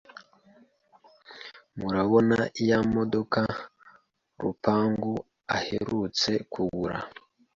murabona ya modoka Rupangu aherutse kugura